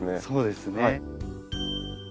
そうですね。